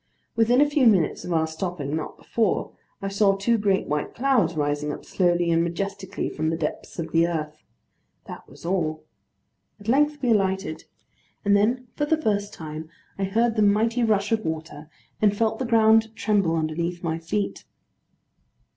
Within a few minutes of our stopping, not before, I saw two great white clouds rising up slowly and majestically from the depths of the earth. That was all. At length we alighted: and then for the first time, I heard the mighty rush of water, and felt the ground tremble underneath my feet.